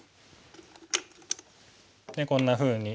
でこんなふうに。